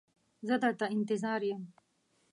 زه در ته انتظار یم.